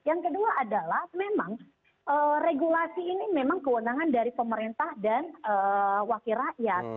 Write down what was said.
yang kedua adalah memang regulasi ini memang kewenangan dari pemerintah dan wakil rakyat